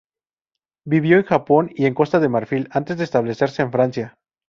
Vivió en Japón y en Costa de Marfil antes de establecerse en Francia.